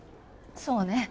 そうね。